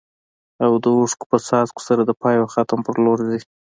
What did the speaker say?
او د اوښکو په څاڅکو سره د پای او ختم په لور ځي.